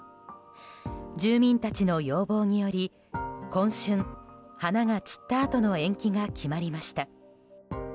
住民たちの要望により今春、花が散ったあとの延期が決まりました。